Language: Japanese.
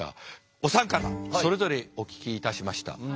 お三方それぞれお聞きいたしました。